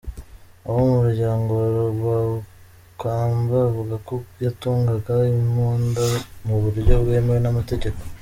Abo mu muryango wa Rwabukamba bavuga ko yatungaga imbunda mu buryo bwemewe n’amategeko.